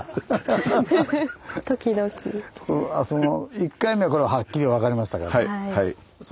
１回目これははっきり分かりましたけどはい。